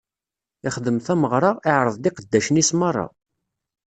Ixdem tameɣra, iɛreḍ-d iqeddacen-is meṛṛa.